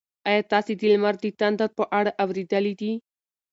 ایا تاسي د لمر د تندر په اړه اورېدلي دي؟